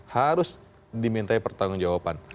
harus diminta pertanggung jawaban